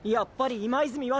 今泉は！！